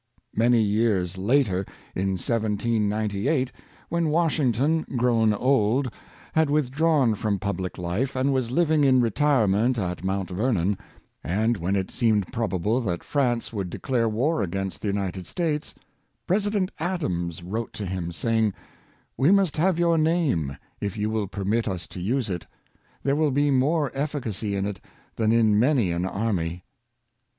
Many years later, in 1798, when Washington, grown old, had withdrawn from public life and was living in retirement at Mount Vernon, and when it seemed probable that France would declare war against the United States, President Adams wrote to him, saying, '' We must have your name, if you will permit us to use it; there will be more efficacy in it than in many an army.''